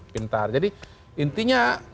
pintar jadi intinya